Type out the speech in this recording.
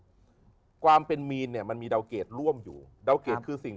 ส่วนหนึ่งความเป็นมีเนี่ยมันมีดาวเกตร่วมอยู่ดาวเกตคือสิ่ง